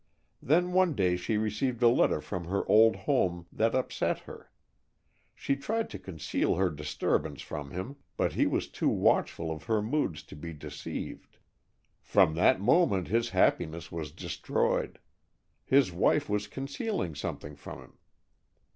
Then one day she received a letter from her old home that upset her. She tried to conceal her disturbance from him, but he was too watchful of her moods to be deceived. From that moment his happiness was destroyed. His wife was concealing something from him.